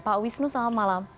pak wisnu selamat malam